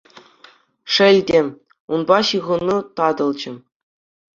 Шел те, унпа ҫыхӑну татӑлчӗ.